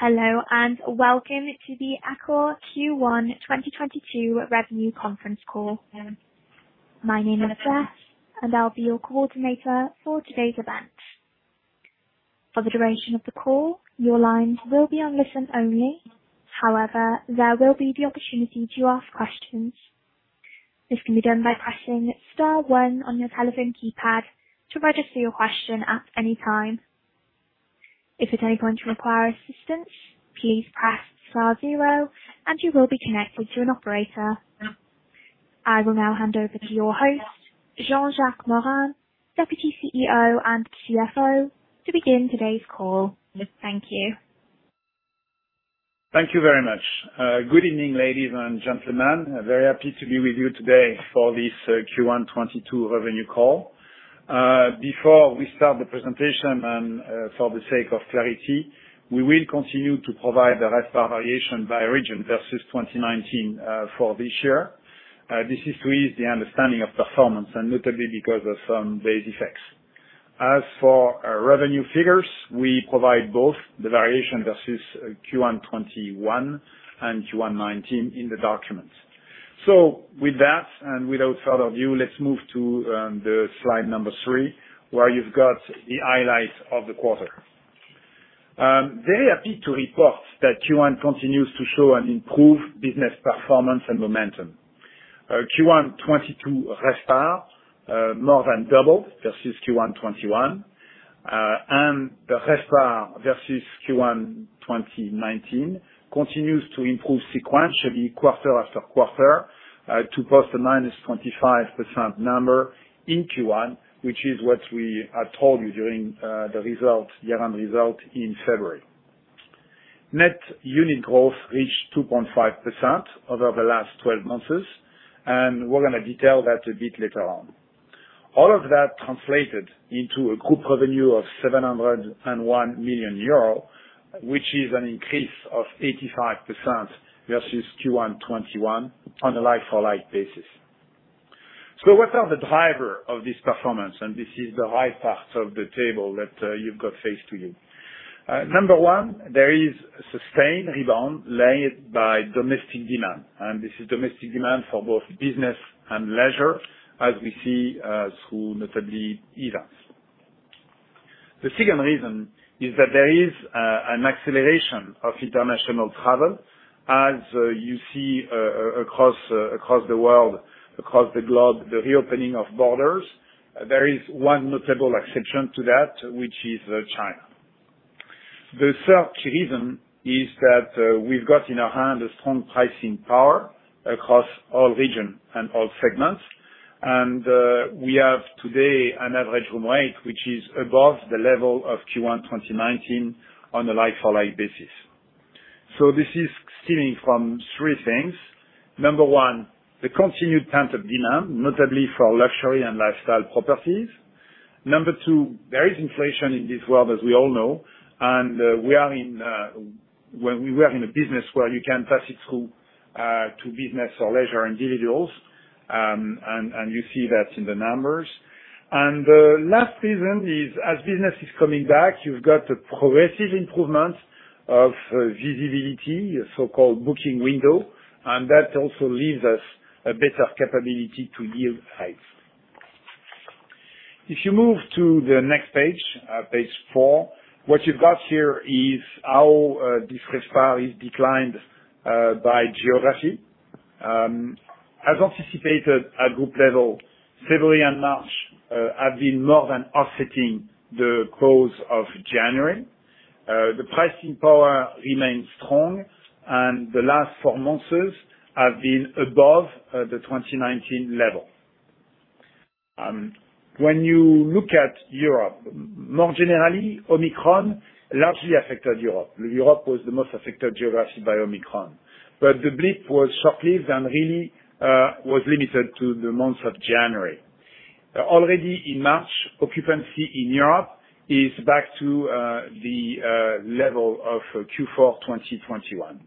Hello, and welcome to the Accor Q1 2022 Revenue Conference Call. My name is Jess, and I'll be your coordinator for today's event. For the duration of the call, your lines will be on listen only. However, there will be the opportunity to ask questions. This can be done by pressing star one on your telephone keypad to register your question at any time. If at any point you require assistance, please press star zero, and you will be connected to an operator. I will now hand over to your host, Jean-Jacques Morin, Deputy CEO and CFO, to begin today's call. Thank you. Thank you very much. Good evening, ladies and gentlemen. Very happy to be with you today for this Q1 2022 revenue call. Before we start the presentation and for the sake of clarity, we will continue to provide the RevPAR variation by region versus 2019 for this year. This is to ease the understanding of performance, and notably because of some base effects. As for our revenue figures, we provide both the variation versus Q1 2021 and Q1 2019 in the documents. With that, and without further ado, let's move to the slide number three, where you've got the highlights of the quarter. Very happy to report that Q1 continues to show an improved business performance and momentum. Q1 2022 RevPAR more than doubled versus Q1 2021, and the RevPAR versus Q1 2019 continues to improve sequentially quarter after quarter, to post a -25% number in Q1, which is what we had told you during the year-end results in February. Net unit growth reached 2.5% over the last 12 months, and we're gonna detail that a bit later on. All of that translated into a group revenue of 701 million euro, which is an increase of 85% versus Q1 2021 on a like-for-like basis. What are the driver of this performance? This is the right part of the table that you've got in front of you. Number one, there is a sustained rebound led by domestic demand, and this is domestic demand for both business and leisure, as we see through notable events. The second reason is that there is an acceleration of international travel as you see across the world, across the globe, the reopening of borders. There is one notable exception to that, which is China. The third reason is that we've got in our hand a strong pricing power across all region and all segments. We have today an average room rate, which is above the level of Q1 2019 on a like-for-like basis. This is stemming from three things. Number one, the continued pent-up demand, notably for luxury and lifestyle properties. Number two, there is inflation in this world, as we all know, and we are in, well we work in a business where you can pass it through to business or leisure individuals, and you see that in the numbers. The last reason is, as business is coming back, you've got a progressive improvement of visibility, a so-called booking window, and that also leaves us a better capability to yield rates. If you move to the next page 4, what you've got here is how this RevPAR is declined by geography. As anticipated at group level, February and March have been more than offsetting the close of January. The pricing power remains strong, and the last four months have been above the 2019 level. When you look at Europe more generally, Omicron largely affected Europe. Europe was the most affected geography by Omicron. The blip was short-lived and really was limited to the month of January. Already in March, occupancy in Europe is back to the level of Q4 2021.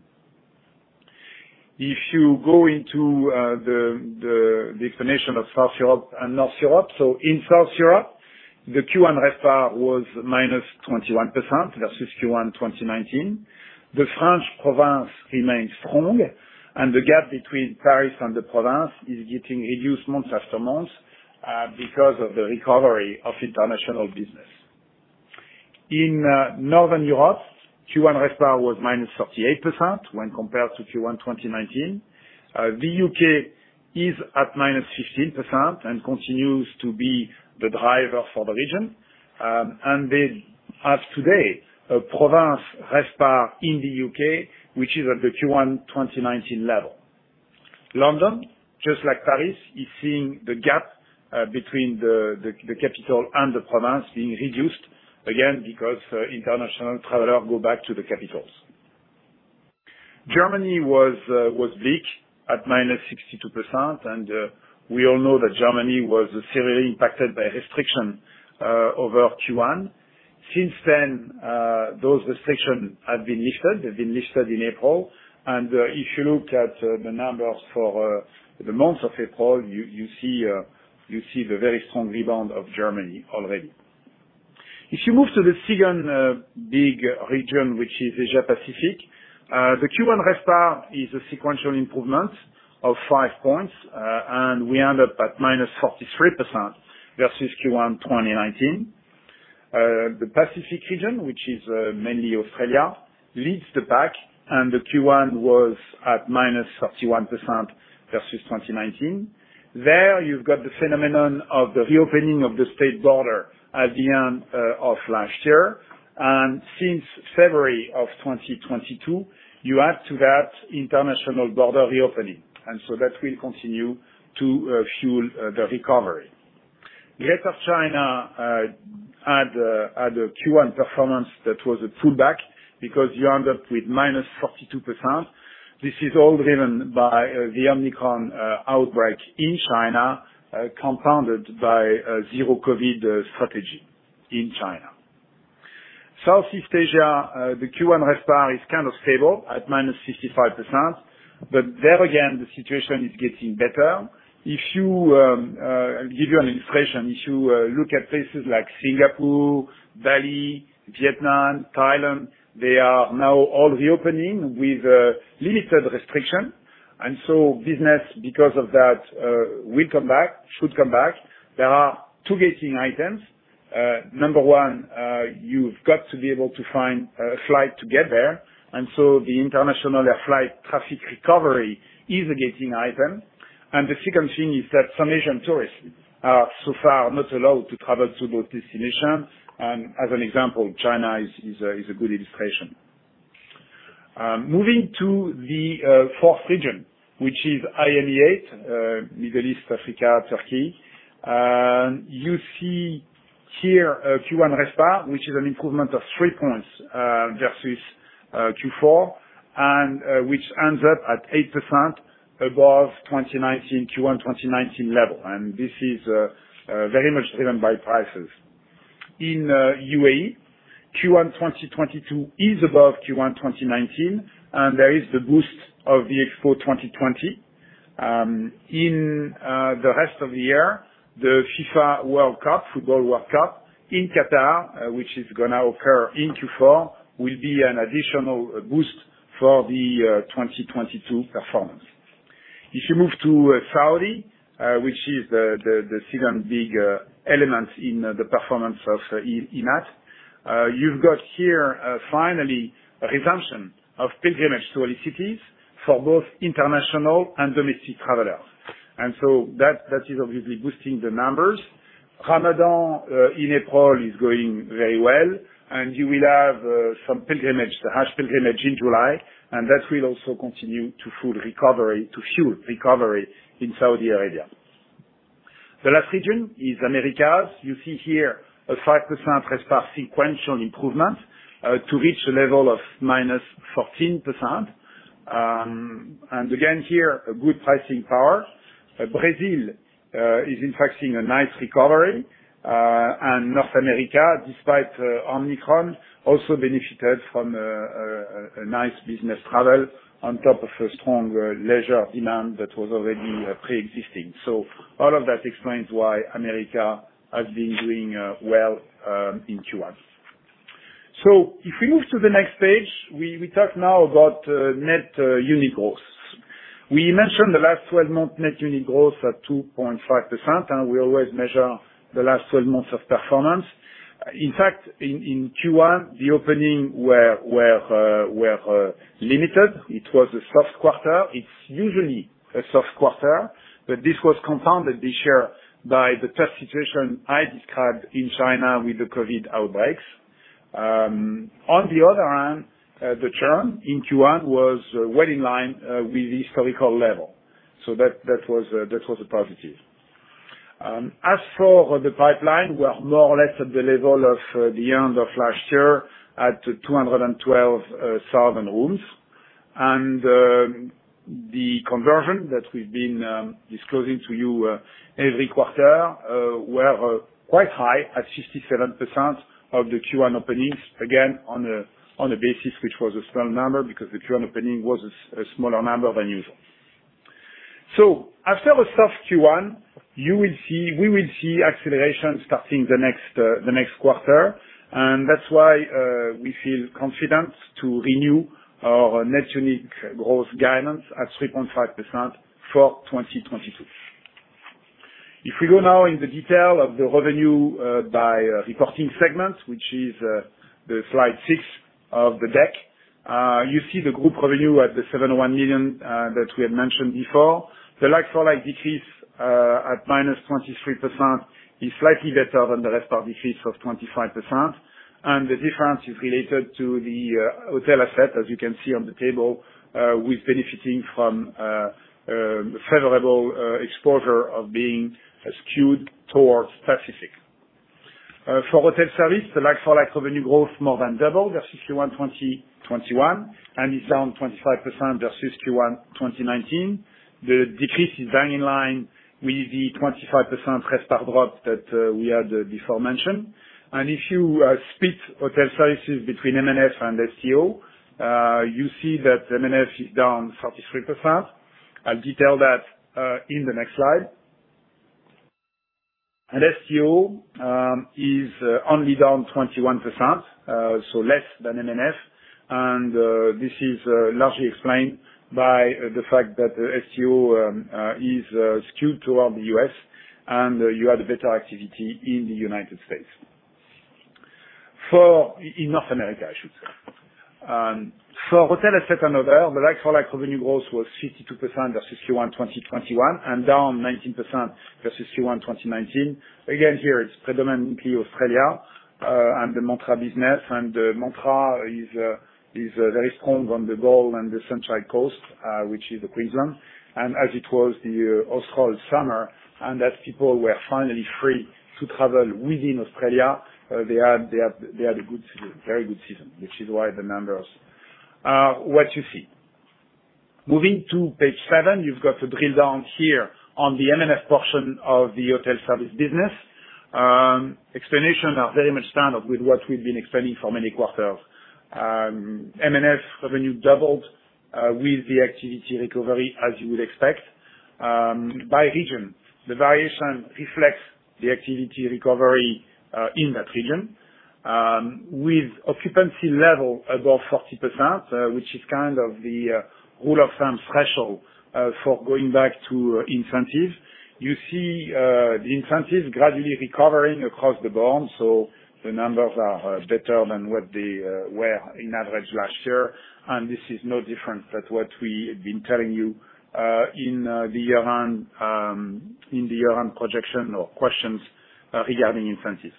If you go into the definition of South Europe and North Europe, in South Europe, the Q1 RevPAR was minus 21% versus Q1 2019. The French province remains strong, and the gap between Paris and the province is getting reduced month after month because of the recovery of international business. In Northern Europe, Q1 RevPAR was minus 38% when compared to Q1 2019. The U.K. is at minus 15% and continues to be the driver for the region. They have today a province RevPAR in the UK, which is at the Q1 2019 level. London, just like Paris, is seeing the gap between the capital and the province being reduced, again, because international traveler go back to the capitals. Germany was weak at -62%, and we all know that Germany was severely impacted by restrictions over Q1. Since then, those restrictions have been lifted. They've been lifted in April. If you look at the numbers for the month of April, you see the very strong rebound of Germany already. If you move to the second big region, which is Asia Pacific, the Q1 RevPAR is a sequential improvement of 5 points, and we end up at -43% versus Q1 2019. The Pacific region, which is mainly Australia, leads the pack, and the Q1 was at -31% versus 2019. There, you've got the phenomenon of the reopening of the state border at the end of last year. Since February 2022, you add to that international border reopening. That will continue to fuel the recovery. The rest of China had a Q1 performance that was a pullback because you end up with -42%. This is all driven by the Omicron outbreak in China compounded by zero COVID strategy in China. Southeast Asia, the Q1 RevPAR is kind of stable at -55%, but there again, the situation is getting better. I'll give you an illustration. If you look at places like Singapore, Bali, Vietnam, Thailand, they are now all reopening with limited restriction. Business, because of that, will come back, should come back. There are two gating items. Number one, you've got to be able to find a flight to get there. The international air flight traffic recovery is a gating item. The second thing is that some Asian tourists are so far not allowed to travel to those destinations. As an example, China is a good illustration. Moving to the fourth region, which is IMEA, Middle East, Africa, Turkey, you see here, Q1 RevPAR, which is an improvement of 3 points versus Q4, and which ends up at 8% above 2019, Q1 2019 level. This is very much driven by prices. In UAE, Q1 2022 is above Q1 2019, and there is the boost of the Expo 2020. In the rest of the year, the FIFA World Cup, Football World Cup in Qatar, which is gonna occur in Q4, will be an additional boost for the 2022 performance. If you move to Saudi, which is the second big element in the performance of IMEA, you've got here finally a resumption of pilgrimage to holy cities for both international and domestic travelers. That is obviously boosting the numbers. Ramadan in April is going very well, and you will have some pilgrimage, the Hajj pilgrimage, in July, and that will also continue to full recovery, to fuel recovery in Saudi Arabia. The last region is Americas. You see here a 5% RevPAR sequential improvement to reach a level of -14%. And again, here, a good pricing power. Brazil is in fact seeing a nice recovery. And North America, despite Omicron, also benefited from a nice business travel on top of a strong leisure demand that was already pre-existing. All of that explains why America has been doing well in Q1. If we move to the next page, we talk now about net unit growth. We mentioned the last 12-month net unit growth at 2.5%, and we always measure the last 12 months of performance. In fact, in Q1, the openings were limited. It was a soft quarter. It's usually a soft quarter, but this was compounded this year by the tough situation I described in China with the COVID outbreaks. On the other hand, the churn in Q1 was well in line with historical level. That was a positive. As for the pipeline, we are more or less at the level of the end of last year at 212,000 rooms. The conversion that we've been disclosing to you every quarter were quite high at 67% of the Q1 openings. Again, on a basis, which was a small number because the Q1 opening was a smaller number than usual. After a soft Q1, you will see, we will see acceleration starting the next quarter. That's why we feel confident to renew our net unit growth guidance at 3.5% for 2022. If we go now in the detail of the revenue by reporting segments, which is the slide 6 of the deck, you see the group revenue at 71 million that we had mentioned before. The like-for-like decrease at -23% is slightly better than the RevPAR decrease of 25%. The difference is related to the hotel asset, as you can see on the table, with benefiting from favorable exposure of being skewed towards Pacific. For hotel service, the like-for-like revenue growth more than double versus Q1 2021, and is down 25% versus Q1 2019. The decrease is bang in line with the 25% RevPAR drop that, we had before mentioned. If you split hotel services between M&F and S&O, you see that M&F is down 33%. I'll detail that in the next slide. S&O is only down 21%, so less than M&F, and this is largely explained by the fact that SO is skewed toward the U.S. and you had better activity in the United States. In North America, I should say. Hotel Services, the like-for-like revenue growth was 52% versus Q1 2021, and down 19% versus Q1 2019. Again, here it's predominantly Australia, and the Mantra business. Montreal is very strong on the Gold and the Central Coast, which is the Queensland. As it was also summer, and as people were finally free to travel within Australia, they had a good season, very good season, which is why the numbers are what you see. Moving to page seven, you've got the drill down here on the M&F portion of the Hotel Services business. Explanations are very much standard with what we've been explaining for many quarters. M&F revenue doubled with the activity recovery as you would expect. By region, the variation reflects the activity recovery in that region with occupancy level above 40%, which is kind of the rule of thumb threshold for going back to incentive. You see the incentive gradually recovering across the board, so the numbers are better than what they were on average last year. This is no different than what we had been telling you in the year-on-year projections or questions regarding incentives.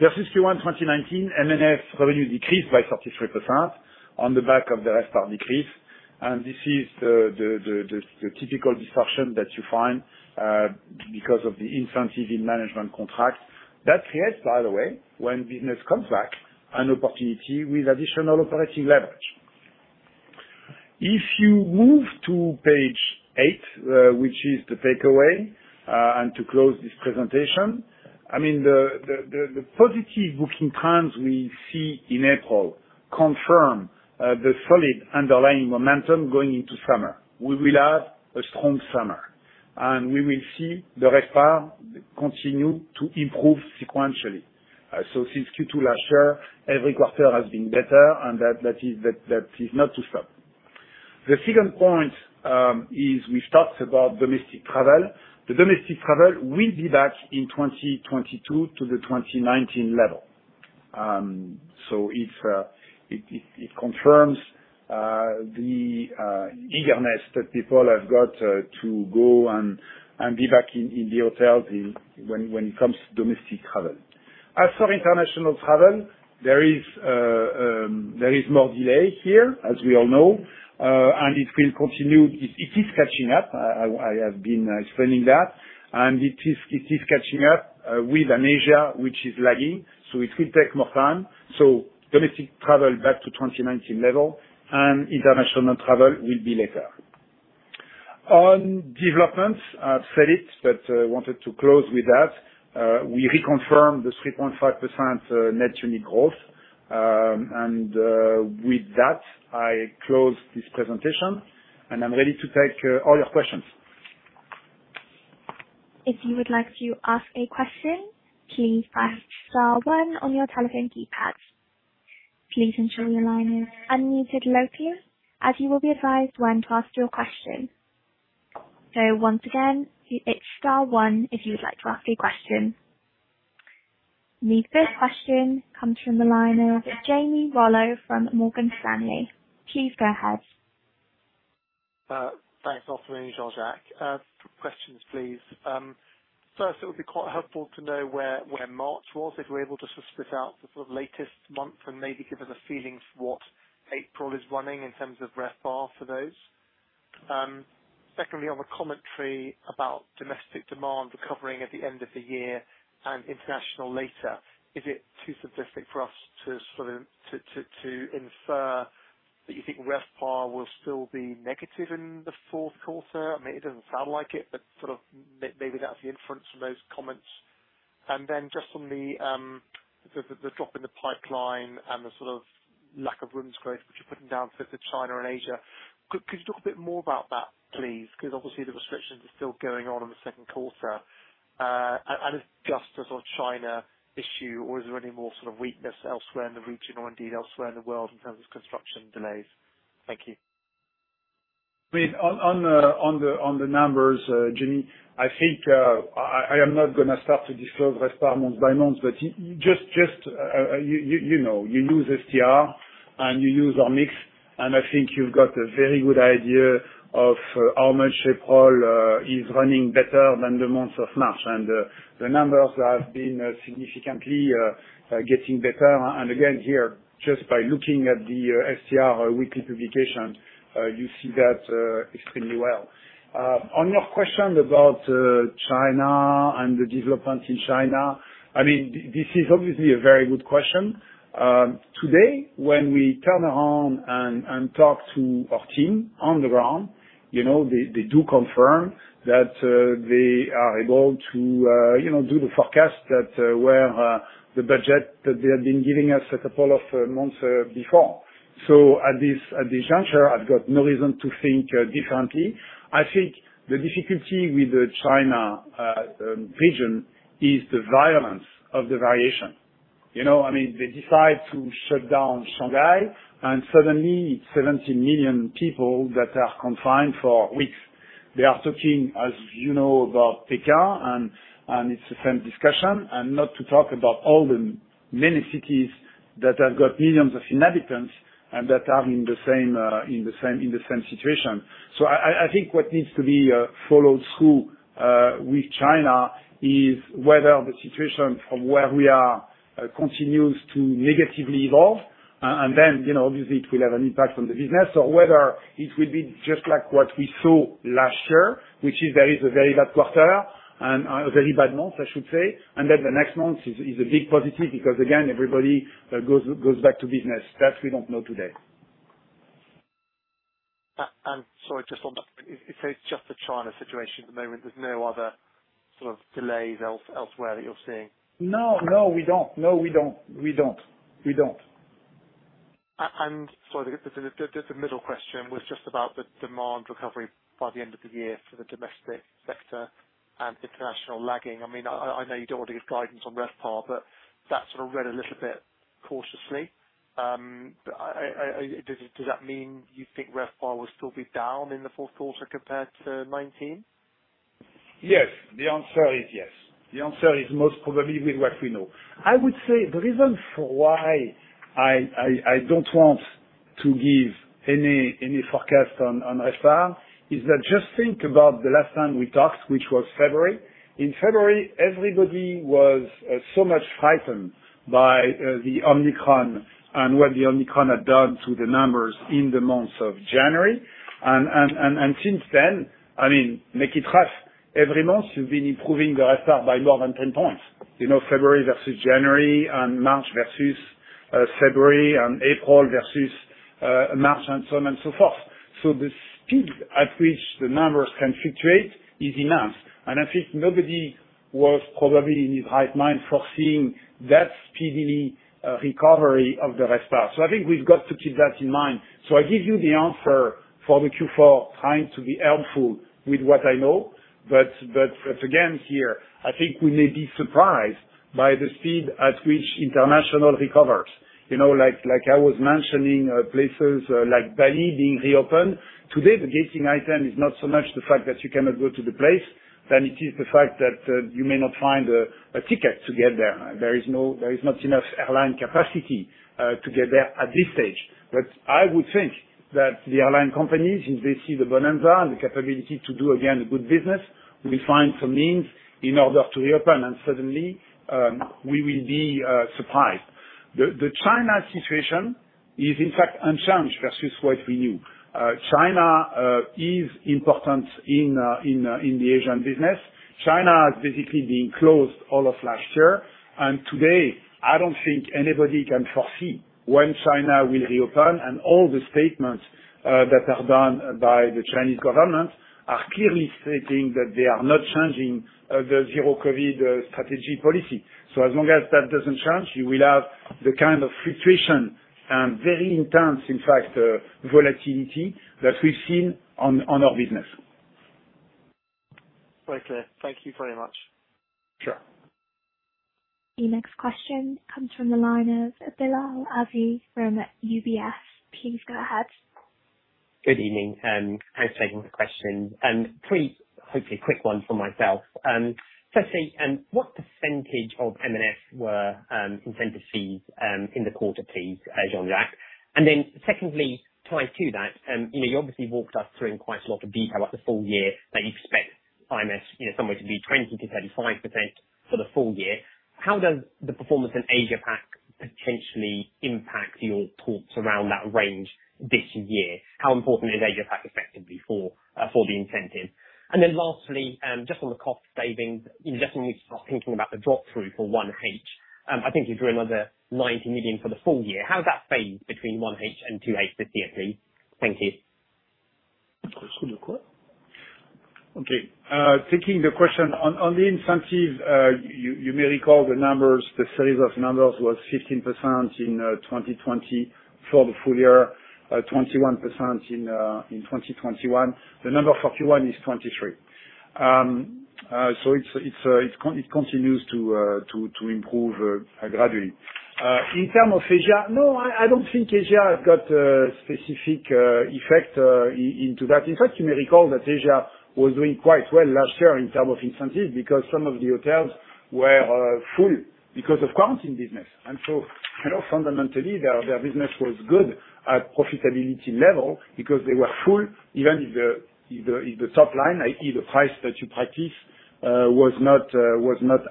Versus Q1 2019, M&F revenue decreased by 33% on the back of the RevPAR decrease. This is the typical disruption that you find because of the incentives in management contracts. That said, by the way, when business comes back, an opportunity with additional operating leverage. If you move to page eight, which is the takeaway, and to close this presentation, I mean, the positive booking trends we see in April confirm the solid underlying momentum going into summer. We will have a strong summer, and we will see the RevPAR continue to improve sequentially. Since Q2 last year, every quarter has been better and that is not to stop. The second point is we've talked about domestic travel. The domestic travel will be back in 2022 to the 2019 level. It confirms the eagerness that people have got to go and be back in the hotel when it comes to domestic travel. As for international travel, there is more delay here, as we all know, and it will continue. It is catching up. I have been explaining that. It is catching up with Asia, which is lagging, so it will take more time. Domestic travel back to 2019 level and international travel will be later. On developments, I've said it, but wanted to close with that. We reconfirm the 3.5% net unit growth. With that, I close this presentation and I'm ready to take all your questions. If you would like to ask a question, please press star one on your telephone keypads. Please ensure your line is unmuted locally, as you will be advised when to ask your question. Once again, it's star one if you would like to ask a question. The first question comes from the line of Jamie Rollo from Morgan Stanley. Please go ahead. Good afternoon, Jean-Jacques. Questions please. First, it would be quite helpful to know where March was, if we're able to sort this out for the latest month and maybe give us a feeling for what April is running in terms of RevPAR for those. Secondly, on the commentary about domestic demand recovering at the end of the year and international later, is it too simplistic for us to sort of to infer that you think RevPAR will still be negative in the fourth quarter? I mean, it doesn't sound like it, but sort of maybe that's the inference from those comments. Then just on the drop in the pipeline and the sort of lack of rooms growth, which you're putting down to China and Asia. Could you talk a bit more about that please, 'cause obviously the restrictions are still going on in the second quarter. It's just the China issue or is there any more sort of weakness elsewhere in the region or indeed elsewhere in the world in terms of construction delays? Thank you. I mean on the numbers, Jamie, I think I am not gonna start to disclose RevPAR month by month, but you just, you know, you use STR and you use our mix, and I think you've got a very good idea of how much April is running better than the month of March. The numbers have been significantly getting better. Again, here, just by looking at the STR weekly publication, you see that extremely well. On your question about China and the developments in China, I mean, this is obviously a very good question. Today when we turn around and talk to our team on the ground, you know, they do confirm that they are able to, you know, do the forecast that the budget that they had been giving us a couple of months before. At this juncture, I've got no reason to think differently. I think the difficulty with the China region is the violence of the variation. You know, I mean, they decide to shut down Shanghai and suddenly 70 million people that are confined for weeks. They are talking, as you know, about Beijing and it's the same discussion and not to talk about all the many cities that have got millions of inhabitants, and that are in the same situation. I think what needs to be followed through with China is whether the situation from where we are continues to negatively evolve, and then, you know, obviously it will have an impact on the business or whether it will be just like what we saw last year, which is there is a very bad quarter and a very bad month, I should say. Then the next month is a big positive because again, everybody goes back to business. That we don't know today. Sorry, just on that. It's just the China situation at the moment, there's no other sort of delays elsewhere that you're seeing? No, we don't. Sorry, the middle question was just about the demand recovery by the end of the year for the domestic sector and international lagging. I mean, does that mean you think RevPAR will still be down in the fourth quarter compared to 2019? Yes. The answer is yes. The answer is most probably with what we know. I would say the reason for why I don't want to give any forecast on RevPAR is that just think about the last time we talked, which was February. In February, everybody was so much frightened by the Omicron and what the Omicron had done to the numbers in the months of January. Since then, I mean, every month you've been improving the RevPAR by more than 10 points. You know, February versus January and March versus February and April versus March and so on and so forth. The speed at which the numbers can fluctuate is enhanced. I think nobody was probably in his right mind foreseeing that speedy recovery of the RevPAR. I think we've got to keep that in mind. I give you the answer for the Q4, trying to be helpful with what I know, but again, here, I think we may be surprised by the speed at which international recovers, you know, like I was mentioning, places, like Bali being reopened. Today, the gating item is not so much the fact that you cannot go to the place than it is the fact that, you may not find a ticket to get there. There is not enough airline capacity to get there at this stage. I would think that the airline companies, if they see the bonanza and the capability to do again a good business, will find some means in order to reopen and suddenly, we will be surprised. The China situation is in fact unchanged versus what we knew. China is important in the Asian business. China has basically been closed all of last year. Today, I don't think anybody can foresee when China will reopen. All the statements that are done by the Chinese government are clearly stating that they are not changing the zero COVID strategy policy. As long as that doesn't change, you will have the kind of fluctuation, very intense, in fact, volatility that we've seen on our business. Quite clear. Thank you very much. Sure. The next question comes from the line of Bilal Aziz from UBS. Please go ahead. Good evening and thanks for taking the question. Pretty, hopefully, quick one from myself. Firstly, what percentage of M&F were incentive fees in the quarter please, Jean-Jacques? Then secondly, tied to that, you know, you obviously walked us through in quite a lot of detail about the full year that you expect in M&F you know somewhere to be 20%-35% for the full year. How does the performance in Asia Pac potentially impact your thoughts around that range this year? How important is Asia Pac effectively for the incentive? Then lastly, just on the cost savings, you know, just when we start thinking about the drop-through for 1H. I think you threw another 90 million for the full year. How does that phase between 1H and 2H this year, please? Thank you. Okay. Taking the question. On the incentive, you may recall the numbers. The series of numbers was 15% in 2020 for the full year, 21% in 2021. The number for 2022 is 23%. So it continues to improve gradually. In terms of Asia, no, I don't think Asia has got a specific effect on that. In fact, you may recall that Asia was doing quite well last year in terms of incentive because some of the hotels were full because of quarantine business. You know, fundamentally their business was good at profitability level because they were full, even if the top line, i.e. The price that you practice was not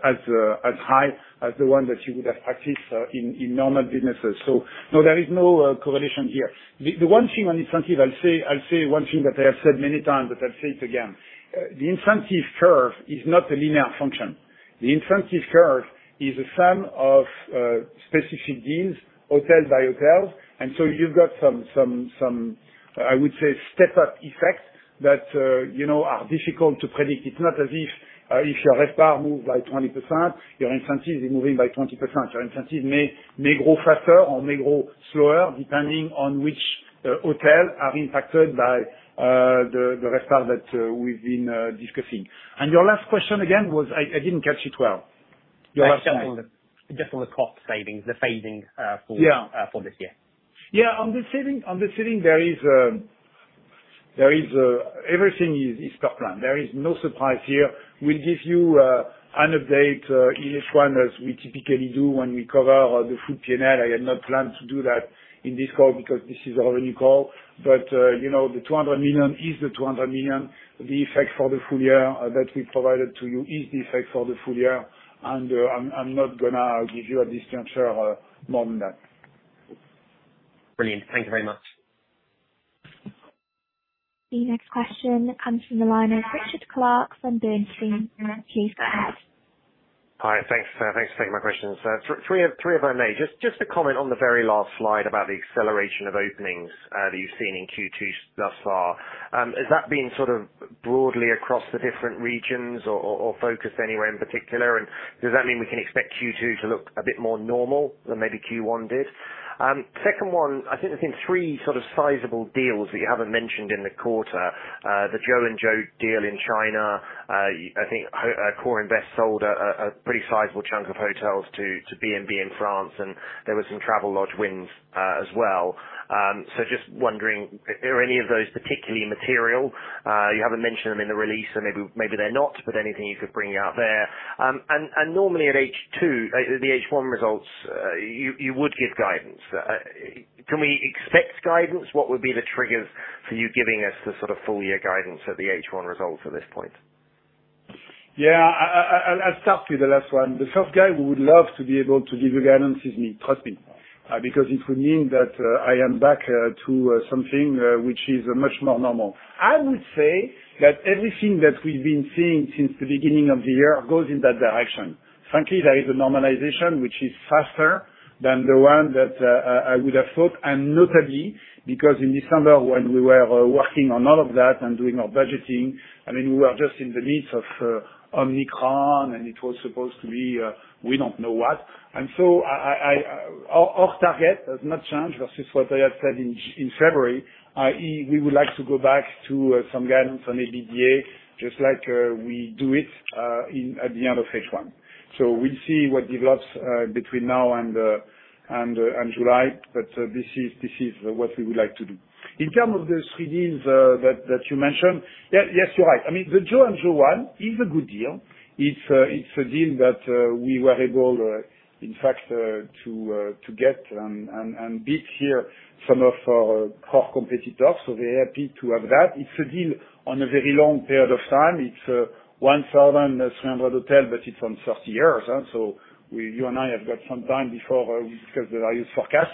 as high as the one that you would have practiced in normal businesses. No, there is no correlation here. The one thing on incentive, I'll say one thing that I have said many times, but I'll say it again. The incentive curve is not a linear function. The incentive curve is a sum of specific deals, hotel by hotel. You've got some I would say step up effects that you know are difficult to predict. It's not as if your RevPAR moved by 20%, your incentive is moving by 20%. Your incentive may grow faster or may grow slower, depending on which the hotels are impacted by the retail that we've been discussing. Your last question again was? I didn't catch it well. Just on the cost savings, the phasing. Yeah. for this year. Yeah. On the saving there is everything is top line. There is no surprise here. We'll give you an update each one as we typically do when we cover the full P&L. I had not planned to do that in this call because this is our annual call. You know, the 200 million is the 200 million. The effect for the full year that we provided to you is the effect for the full year. I'm not gonna give you a disclaimer or more than that. Brilliant. Thank you very much. The next question comes from the line of Richard Clarke from Bernstein. Please go ahead. Hi, thanks. Thanks for taking my questions. Three if I may. Just to comment on the very last slide about the acceleration of openings that you've seen in Q2 thus far. Has that been sort of broadly across the different regions or focused anywhere in particular? Does that mean we can expect Q2 to look a bit more normal than maybe Q1 did? Second one, I think there's been three sort of sizable deals that you haven't mentioned in the quarter. The Jo & Joe deal in China. I think AccorInvest sold a pretty sizable chunk of hotels to B&B Hotels in France, and there were some Travelodge wins, as well. Just wondering if there are any of those particularly material. You haven't mentioned them in the release, so maybe they're not, but anything you could bring out there. Normally at the H1 results, you would give guidance. Can we expect guidance? What would be the triggers for you giving us the sort of full year guidance at the H1 results at this point? Yeah. I'll start with the last one. The first guy who would love to be able to give you guidance is me, trust me. Because it would mean that I am back to something which is much more normal. I would say that everything that we've been seeing since the beginning of the year goes in that direction. Frankly, there is a normalization which is faster than the one that I would have thought, and notably, because in December when we were working on all of that and doing our budgeting, I mean, we were just in the midst of Omicron, and it was supposed to be we don't know what. Our target has not changed versus what I have said in February. IMEA, we would like to go back to some guidance on EBITDA, just like we do it at the end of H1. We'll see what develops between now and July. This is what we would like to do. In terms of those three deals that you mentioned. Yes, you're right. I mean, the Jo & Joe one is a good deal. It's a deal that we were able, in fact, to get and beat some of our core competitors, so we're happy to have that. It's a deal on a very long period of time. It's 1,300 hotel, but it's on 30 years, so you and I have got some time before we discuss the value forecast.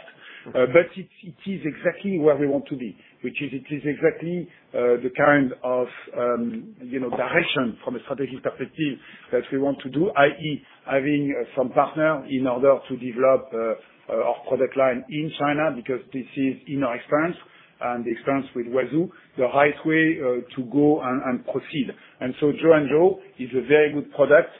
It is exactly where we want to be, which is, it is exactly the kind of you know direction from a strategic perspective that we want to do, i.e., having some partner in order to develop our product line in China because this is in our experience and the experience with Huazhu, the right way to go and proceed. Jo & Joe is a very good product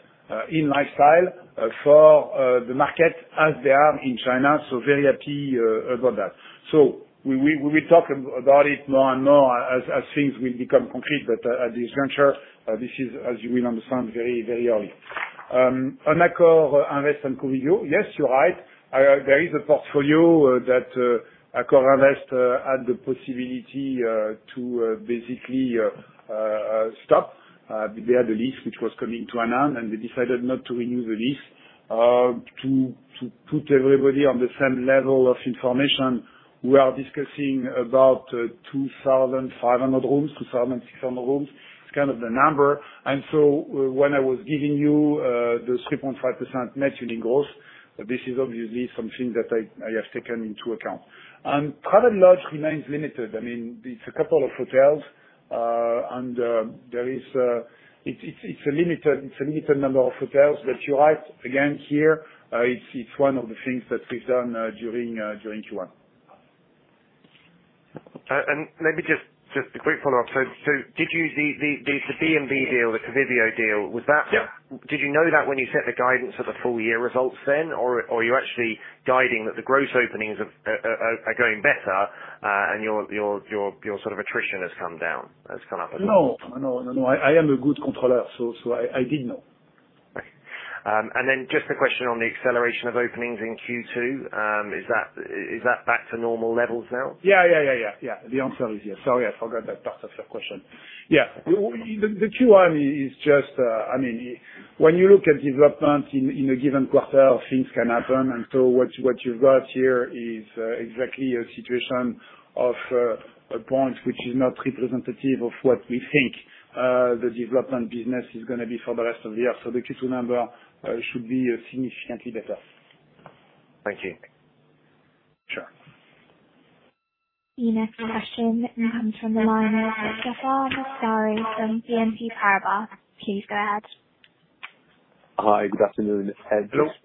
in lifestyle for the market as they are in China. Very happy about that. We will talk about it more and more as things will become concrete. At this juncture, this is, as you will understand, very, very early. AccorInvest and Covivio. Yes, you're right. There is a portfolio that AccorInvest had the possibility to basically stop. They had a lease which was coming to an end, and they decided not to renew the lease. To put everybody on the same level of information, we are discussing about 2,500 rooms, 2,600 rooms. It's kind of the number. When I was giving you the 3.5% net unit growth, this is obviously something that I have taken into account. Travelodge remains limited. I mean, it's a couple of hotels, and there is... It's a limited number of hotels that you're right. Again, here, it's one of the things that we've done during Q1. Maybe just a quick follow-up. So did you... The B&B deal, the Covivio deal, was that- Yeah. Did you know that when you set the guidance for the full year results, you're actually guiding that the gross openings are going better, and your sort of attrition has come up as well? No, no. I am a good controller, so I did know. Okay. Just a question on the acceleration of openings in Q2. Is that back to normal levels now? Yeah. The answer is yes. Sorry, I forgot that that was your question. Yeah. Well, the Q1 is just, I mean, when you look at development in a given quarter, things can happen. What you've got here is exactly a situation of a point which is not representative of what we think the development business is gonna be for the rest of the year. The Q2 number should be significantly better. Thank you. Sure. The next question comes from the line of Jaafar Mestari from BNP Paribas. Please go ahead. Hi. Good afternoon.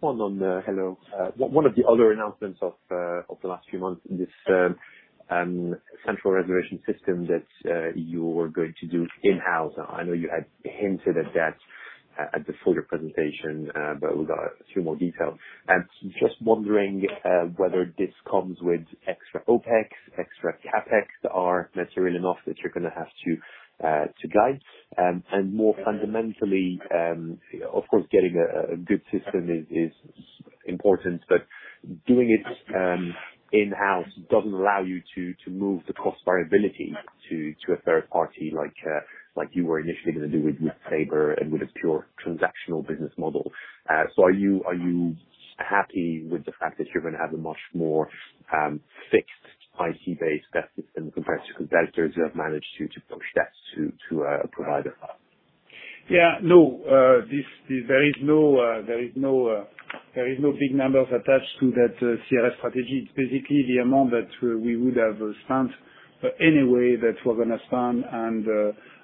One of the other announcements of the last few months, this central reservation system that you're going to do in-house. I know you had hinted at that at the fuller presentation, but we got a few more details. Just wondering whether this comes with extra OpEx, extra CapEx that are material enough that you're gonna have to guide. More fundamentally, of course, getting a good system is important, but doing it in-house doesn't allow you to move the cost variability to a third party like you were initially gonna do with Sabre and with a pure transactional business model. Are you happy with the fact that you're gonna have a much more fixed IT-based system compared to competitors who have managed to push that to a provider? Yeah, no. This, there is no big numbers attached to that CRS strategy. It's basically the amount that we would have spent but anyway that we're gonna spend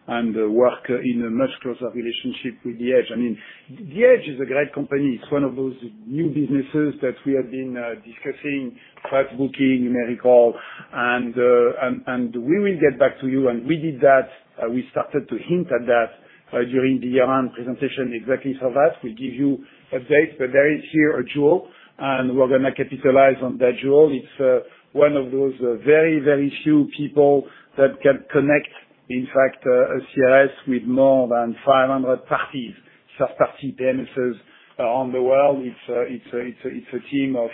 and work in a much closer relationship with D-EDGE. I mean, D-EDGE is a great company. It's one of those new businesses that we have been discussing, flat booking, you may recall. We will get back to you, and we did that. We started to hint at that during the annual presentation, exactly for that. We give you updates, but there is here a jewel, and we're gonna capitalize on that jewel. It's one of those very, very few people that can connect, in fact, a CRS with more than 500 partners, such as premises around the world. It's a team of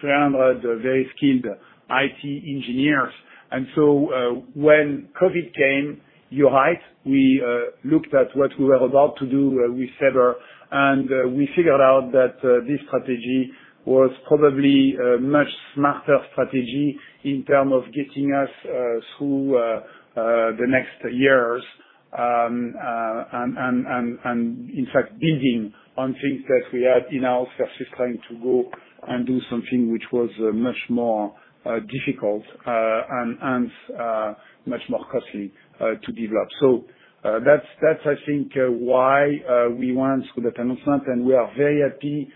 300 very skilled IT engineers. When COVID came, you're right, we looked at what we were about to do with Sabre, and we figured out that this strategy was probably a much smarter strategy in terms of getting us through the next years, and in fact, building on things that we had in-house versus trying to go and do something which was much more difficult and much more costly to develop. That's, I think, why we went through the announcement, and we are very happy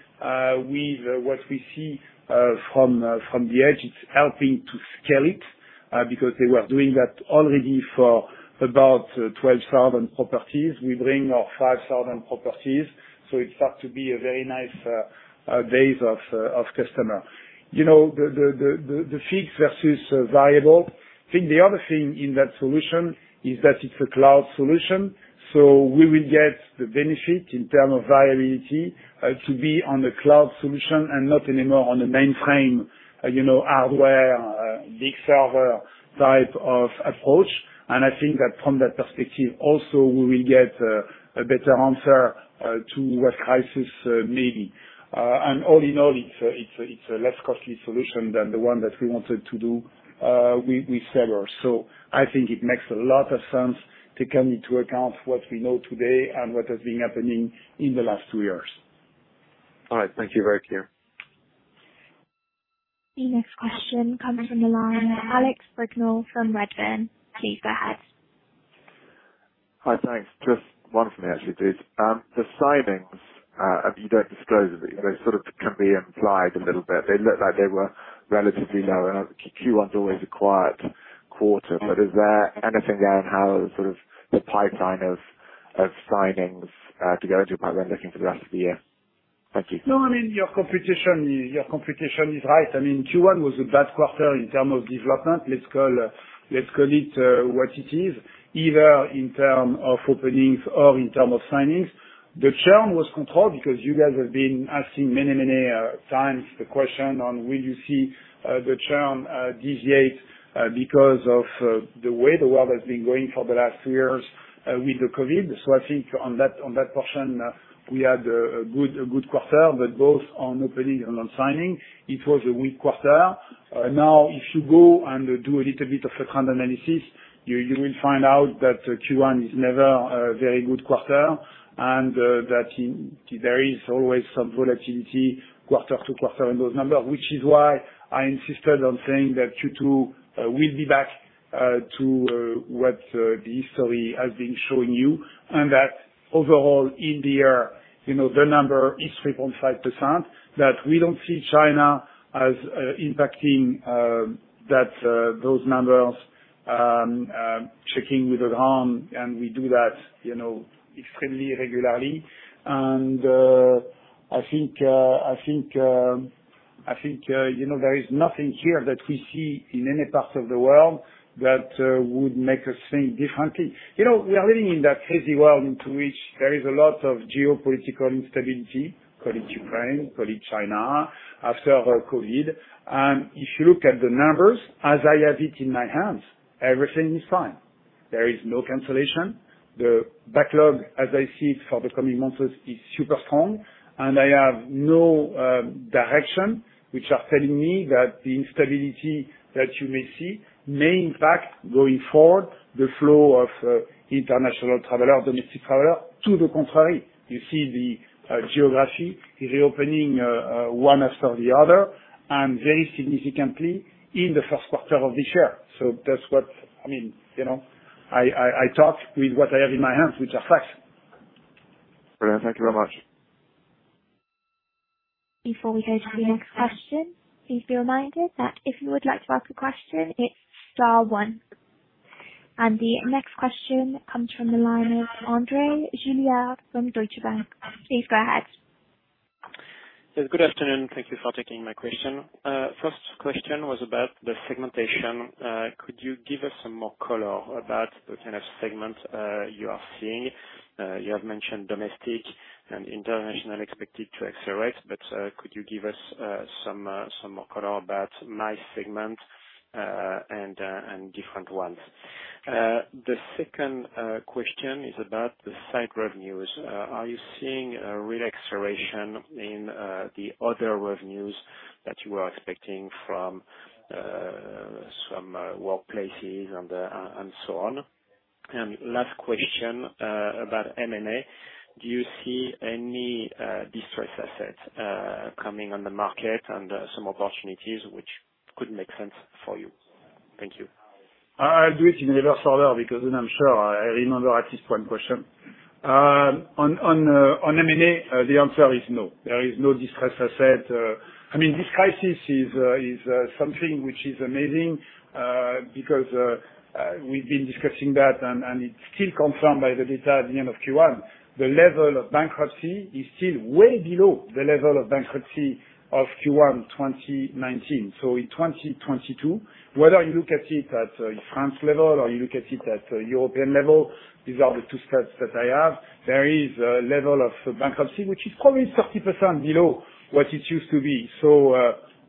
with what we see from D-EDGE. It's helping to scale it because they were doing that already for about 12,000 properties. We bring our 5,000 properties, so it starts to be a very nice base of customers. You know, the fixed versus variable. I think the other thing in that solution is that it's a cloud solution, so we will get the benefit in terms of viability to be on the cloud solution and not anymore on the mainframe, you know, hardware, big server type of approach. I think that from that perspective also we will get a better answer to what crisis may be. All in all, it's a less costly solution than the one that we wanted to do with Sabre. I think it makes a lot of sense to take into account what we know today and what has been happening in the last two years. All right. Thank you. Very clear. The next question comes from the line Alex Brignall from Redburn. Please go ahead. Hi. Thanks. Just one from me actually, please. The signings, you don't disclose them. They sort of can be implied a little bit. They look like they were relatively low. Q1's always a quiet quarter. Is there anything there on how sort of the pipeline of signings to go into pipeline looking for the rest of the year? Thank you. No, I mean, your computation is right. I mean, Q1 was a bad quarter in terms of development. Let's call it what it is, either in terms of openings or in terms of signings. The churn was controlled because you guys have been asking many times the question on will you see the churn deviate because of the way the world has been going for the last two years with the COVID. I think on that portion, we had a good quarter, but both on openings and on signings, it was a weak quarter. Now if you go and do a little bit of a trend analysis, you will find out that Q1 is never a very good quarter, and that in There is always some volatility quarter to quarter in those numbers, which is why I insisted on saying that Q2 will be back to what the history has been showing you. That overall in the year, you know, the number is 3.5%, that we don't see China as impacting those numbers, checking with the team, and we do that, you know, extremely regularly. I think, you know, there is nothing here that we see in any part of the world that would make us think differently. You know, we are living in that crazy world into which there is a lot of geopolitical instability, call it Ukraine, call it China, after COVID. If you look at the numbers, as I have it in my hands, everything is fine. There is no cancellation. The backlog, as I see it for the coming months, is super strong. I have no direction, which are telling me that the instability that you may see may impact going forward the flow of international traveler or domestic traveler. To the contrary, you see the geography reopening one after the other and very significantly in the first quarter of this year. That's what I mean, you know, I talk with what I have in my hands, which are facts. Brilliant. Thank you very much. Before we go to the next question, please be reminded that if you would like to ask a question, it's star one. The next question comes from the line of André Juillard from Deutsche Bank. Please go ahead. Yes, good afternoon. Thank you for taking my question. First question was about the segmentation. Could you give us some more color about the kind of segment you are seeing? You have mentioned domestic and international expected to accelerate, but could you give us some more color about niche segments and different ones? The second question is about the side revenues. Are you seeing a real acceleration in the other revenues that you are expecting from some workplaces and so on? Last question about M&A. Do you see any distressed assets coming on the market and some opportunities which could make sense for you? Thank you. I'll do it in reverse order because then I'm sure I remember at least one question. On M&A, the answer is no. There is no distressed asset. I mean, this crisis is something which is amazing, because we've been discussing that and it's still confirmed by the data at the end of Q1. The level of bankruptcy is still way below the level of bankruptcy of Q1 2019. In 2022, whether you look at it at France level or you look at it at European level, these are the two stats that I have. There is a level of bankruptcy which is probably 30% below what it used to be.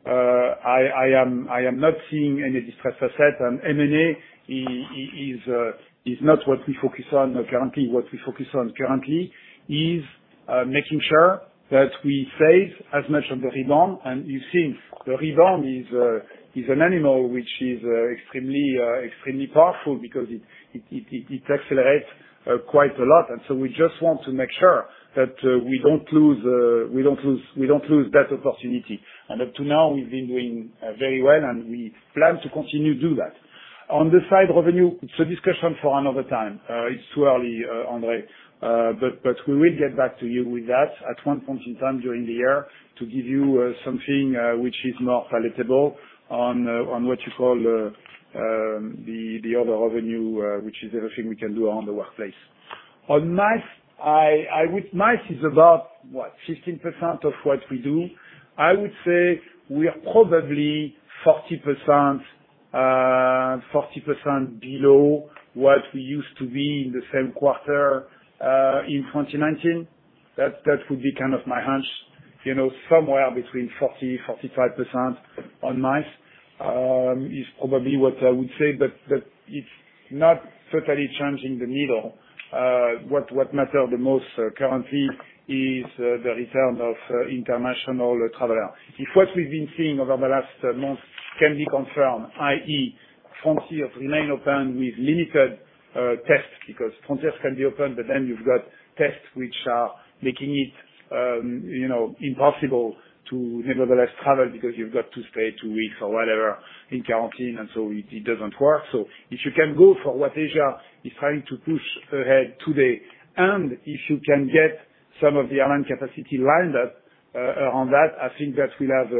I am not seeing any distressed asset. M&A is not what we focus on currently. What we focus on currently is making sure that we save as much on the rebound. You've seen the rebound is an animal which is extremely powerful because it accelerates quite a lot. We just want to make sure that we don't lose that opportunity. Up to now, we've been doing very well, and we plan to continue to do that. On the S&O revenue, it's a discussion for another time. It's too early, André, but we will get back to you with that at one point in time during the year to give you something which is more palatable on what you call the other revenue, which is everything we can do around the workplace. On MICE is about what? 15% of what we do. I would say we are probably 40% below what we used to be in the same quarter in 2019. That would be kind of my hunch. You know, somewhere between 40%-45% on MICE is probably what I would say, but it's not totally changing the needle. What matters the most currently is the return of international traveler. If what we've been seeing over the last month can be confirmed, i.e., France here remain open with limited tests, because frontiers can be open, but then you've got tests which are making it impossible to nevertheless travel because you've got to stay two weeks or whatever in quarantine, and so it doesn't work. If you can go for what Asia is trying to push ahead today, and if you can get some of the airline capacity lined up on that, I think that will have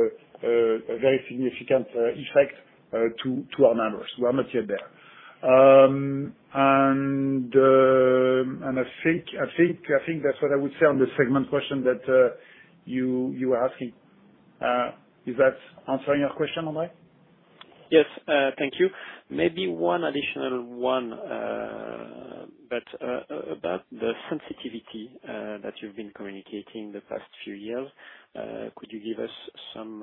a very significant effect to our numbers. We're not yet there. I think that's what I would say on the segment question that you are asking. Is that answering your question, André? Yes, thank you. Maybe one additional one, but about the sensitivity that you've been communicating the past few years. Could you give us some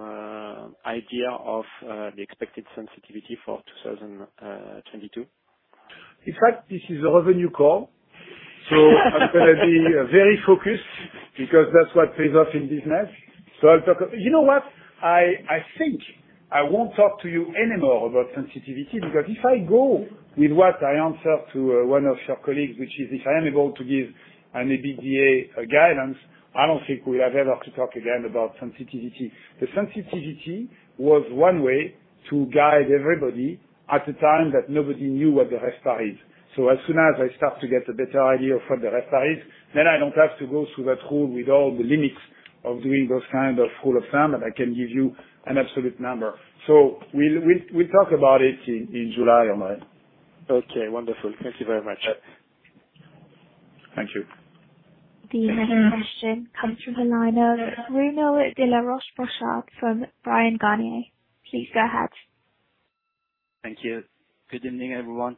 idea of the expected sensitivity for 2022? In fact, this is a revenue call. I'm gonna be very focused because that's what pays off in business. I'll talk. You know what? I think I won't talk to you anymore about sensitivity because if I go with what I answered to one of your colleagues, which is if I am able to give an EBITDA guidance, I don't think we'll ever have to talk again about sensitivity. The sensitivity was one way to guide everybody at the time that nobody knew what the risk are. As soon as I start to get a better idea of what the risk are, then I don't have to go through that whole with all the limits of doing those kind of rule of thumb, and I can give you an absolute number. We'll talk about it in July, André. Okay, wonderful. Thank you very much. Thank you. The next question comes from the line of Bruno de La Rochebrochard from Bryan Garnier. Please go ahead. Thank you. Good evening, everyone.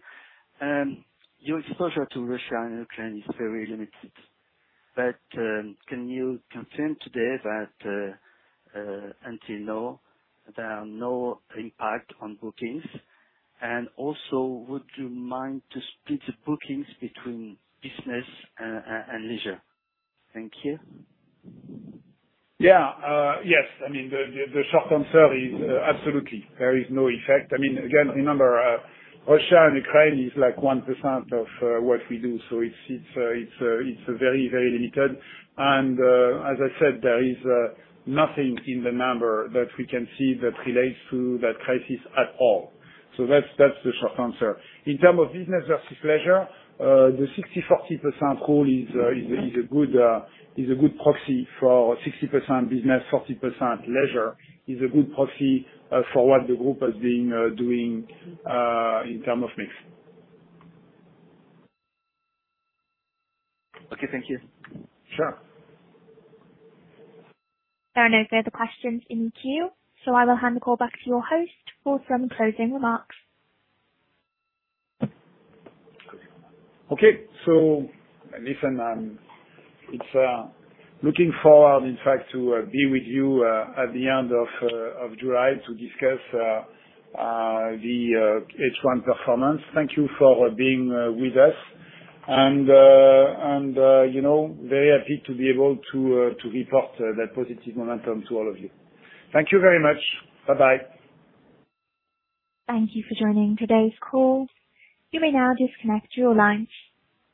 Your exposure to Russia and Ukraine is very limited. Can you confirm today that until now there are no impact on bookings? Also, would you mind to split the bookings between business and leisure? Thank you. Yes. I mean, the short answer is absolutely. There is no effect. I mean, again, remember, Russia and Ukraine is like 1% of what we do, so it's very, very limited. As I said, there is nothing in the number that we can see that relates to that crisis at all. That's the short answer. In terms of business versus leisure, the 60%-40% rule is a good proxy for 60% business, 40% leisure, is a good proxy for what the group has been doing in terms of mix. Okay, thank you. Sure. There are no further questions in the queue, so I will hand the call back to your host for some closing remarks. Okay. Listen, it's looking forward, in fact, to be with you at the end of July to discuss the H1 performance. Thank you for being with us. You know, very happy to be able to report that positive momentum to all of you. Thank you very much. Bye-bye. Thank you for joining today's call. You may now disconnect your lines.